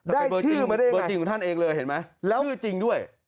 ได้ชื่อมาได้อย่างไรชื่อจริงด้วย